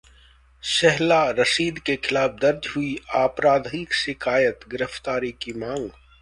शेहला रशीद के खिलाफ दर्ज हुई आपराधिक शिकायत, गिरफ्तारी की मांग